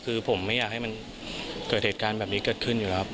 คือผมไม่อยากให้มันเกิดเหตุการณ์แบบนี้เกิดขึ้นอยู่แล้วครับ